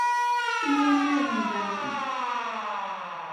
Anwa nniḍen daɣen?